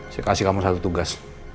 saya kasih kamu satu tugas